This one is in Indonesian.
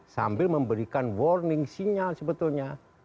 sambil memberikan warning sinyal sebetulnya